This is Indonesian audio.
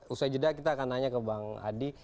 usai jeda kita akan nanya ke bang adi